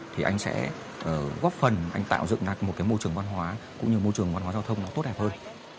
thì anh sẽ góp phần anh tạo dựng ra một cái môi trường văn hóa cũng như môi trường văn hóa giao thông nó tốt đẹp hơn